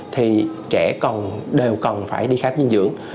thì trẻ đều cần phải đi khám dinh dưỡng